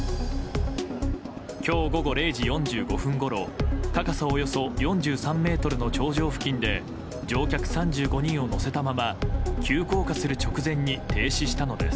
今日午後０時４５分ごろ高さおよそ４３ｍの頂上付近で乗客３５人を乗せたまま急降下する直前に停止したのです。